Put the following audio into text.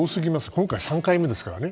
今回、３回目ですからね。